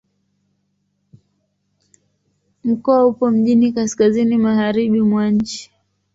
Mkoa upo mjini kaskazini-magharibi mwa nchi.